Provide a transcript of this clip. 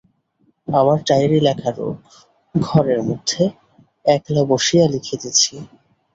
আমার ডায়ারি লেখা রোগ, ঘরের মধ্যে একলা বসিয়া লিখিতেছি।